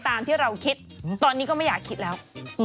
ตามที่เราคิดตอนนี้ก็ไม่อยากคิดแล้ว